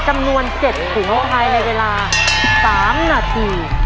จำนวน๗หัวไห้ในเวลา๓นาที